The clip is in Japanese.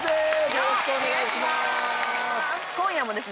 よろしくお願いします。